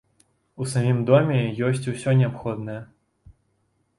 У самім доме ёсць усё неабходнае.